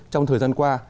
trong thời gian qua